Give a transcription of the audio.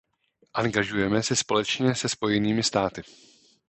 Angažujeme se společně se Spojenými státy.